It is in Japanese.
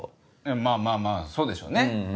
まぁまぁまぁそうでしょうね。